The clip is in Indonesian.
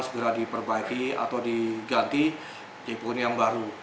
segera diperbaiki atau diganti tipe ini yang baru